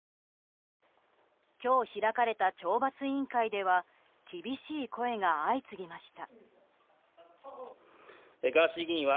今日開かれた懲罰委員会では厳しい声が相次ぎました。